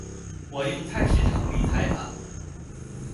我用菜市場理財法